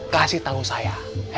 kasih tau saya